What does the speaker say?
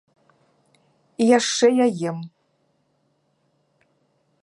І яшчэ я ем.